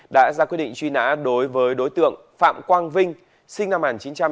đã ra quy định truy nã đối với đối tượng phạm quang vinh sinh năm một nghìn chín trăm chín mươi sáu